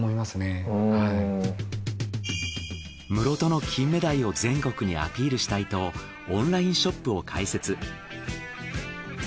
室戸のキンメダイを全国にアピールしたいとオンラインショップを開設。